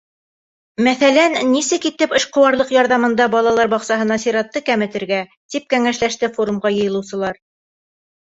Мәҫәлән, «Нисек итеп эшҡыуарлыҡ ярҙамында балалар баҡсаһына сиратты кәметергә?» тип кәңәшләште форумға йыйылыусылар.